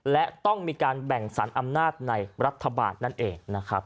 และต้องมีการแบ่งสรรอำนาจในรัฐบาลนั่นเองนะครับ